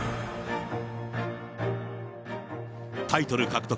タイトル獲得